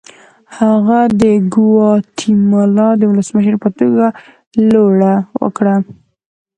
هغه د ګواتیمالا د ولسمشر په توګه لوړه وکړه.